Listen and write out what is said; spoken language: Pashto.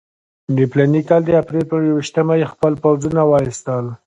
د فلاني کال د اپرېل پر یوویشتمه یې خپل پوځونه وایستل.